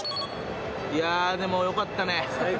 いやでもよかったね。